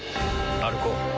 歩こう。